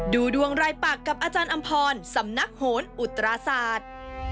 ดูดวงรายปากกับอาจารย์อำพรสำนักโหนอุตราศาสตร์